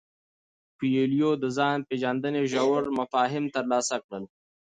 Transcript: کویلیو د ځان پیژندنې ژور مفاهیم ترلاسه کړل.